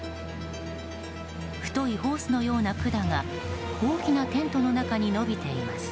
太いホースのような管が大きなテントの中に伸びています。